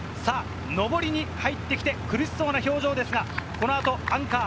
上りに入ってきて苦しそうな表情ですが、この後、アンカー。